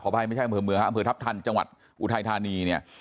อภัยไม่ใช่อำเภอเมืองฮะอำเภอทัพทันจังหวัดอุทัยธานีเนี่ย